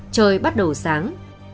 trời bắt đầu sáng